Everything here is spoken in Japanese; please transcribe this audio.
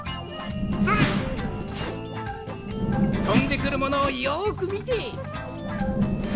とんでくるものをよくみて。